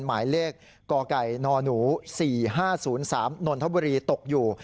หมายเลขกกนหนู๔๕๐๓นนทบุรีตกอยู่